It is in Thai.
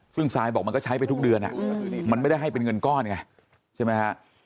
ซึ่งซายบอกมันก็ใช้ไปทุกเดือนมันไม่ได้ให้เป็นเงินก้อนไงใช่ไหมฮะ